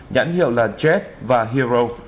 nhãn hiệu là jet và hero